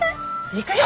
行くよ！